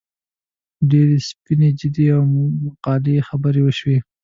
ډېرې سپینې، جدي او معقولې خبرې وشوې.